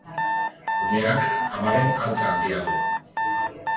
Umeak amaren antza handia du.